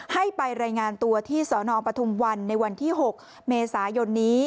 ให้ไปรายงานตัวที่สนปฐุมวันในวันที่๖เมษายนนี้